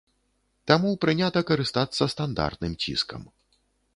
Таму прынята карыстацца стандартным ціскам.